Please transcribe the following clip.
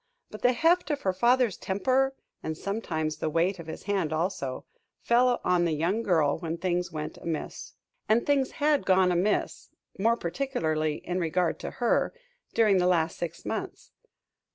But the heft of her father's temper, and sometimes the weight of his hand also, fell on the young girl when things went amiss. And things had gone amiss, more particularly in regard to her, during the last six months.